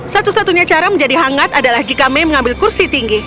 satu satunya cara menjadi hangat adalah jika mei mengambil kursi tinggi